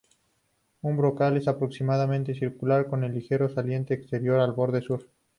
El brocal es aproximadamente circular, con un ligero saliente exterior en el borde sur.